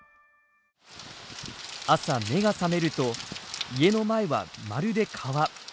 朝目が覚めると家の前はまるで川。